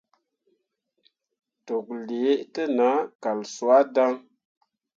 Toklǝǝah te nah kal suah dan.